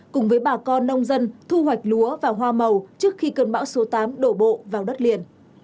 cùng với bà con nông dân thu hoạch lúa và hoa màu trước khi cơn bão số tám đổ bộ vào đất liền